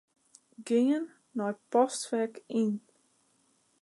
Gean nei Postfek Yn.